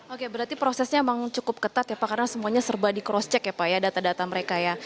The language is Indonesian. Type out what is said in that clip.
oke berarti prosesnya memang cukup ketat ya pak karena semuanya serba di cross check ya pak ya data data mereka ya